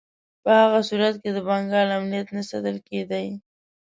په هغه صورت کې د بنګال امنیت نه ساتل کېدی.